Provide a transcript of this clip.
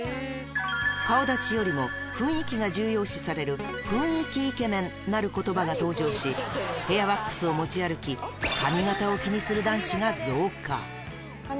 顔立ちよりも、雰囲気が重要視される雰囲気イケメンなることばが登場し、ヘアワックスを持ち歩き、髪形を気にする男子が増加。